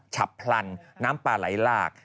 ฉับพลันน้ำปลาไหลหลาก